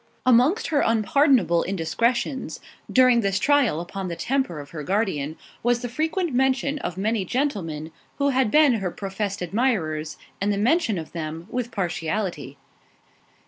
Amongst her unpardonable indiscretions, during this trial upon the temper of her guardian, was the frequent mention of many gentlemen, who had been her professed admirers, and the mention of them with partiality.